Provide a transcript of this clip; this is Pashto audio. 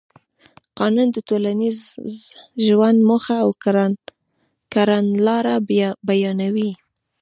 قانون د ټولنیز ژوند موخه او کړنلاره بیانوي.